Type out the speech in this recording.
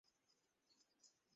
যা ইচ্ছা তাই করো!